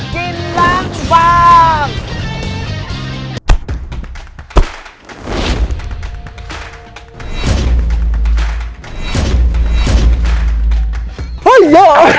กินล้างบาง